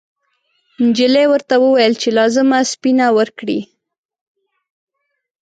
نجلۍ ورته وویل چې لازمه سپینه ورکړي.